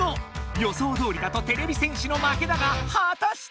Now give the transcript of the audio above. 予想どおりだとてれび戦士の負けだがはたして！